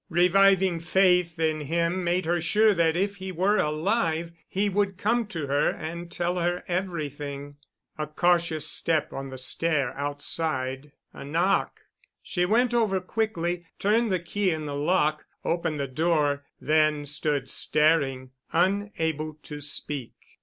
Reviving faith in him made her sure that if he were alive he would come to her and tell her everything.... A cautious step on the stair outside—a knock. She went over quickly, turned the key in the lock, opened the door, then stood staring, unable to speak.